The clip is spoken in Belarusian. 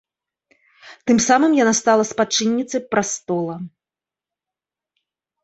Тым самым яна стала спадчынніцай прастола.